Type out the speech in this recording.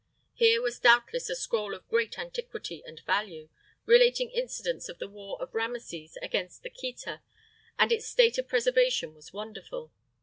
Here was doubtless a scroll of great antiquity and value, relating incidents of the war of Rameses against the Kheta, and its state of preservation was wonderful.